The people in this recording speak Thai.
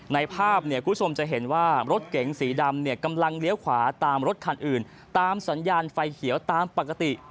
ภาพเนี่ยคุณผู้ชมจะเห็นว่ารถเก๋งสีดำเนี่ยกำลังเลี้ยวขวาตามรถคันอื่นตามสัญญาณไฟเขียวตามปกติ